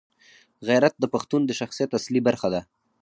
غیرت د پښتون د شخصیت اصلي برخه ده.